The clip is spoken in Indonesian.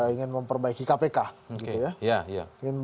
ingin memperbaiki kpk gitu ya